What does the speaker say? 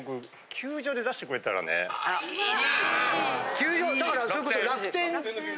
球場だからそれこそ。